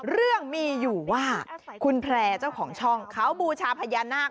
เรื่องมีอยู่ว่าคุณแพร่เจ้าของช่องเขาบูชาพญานาค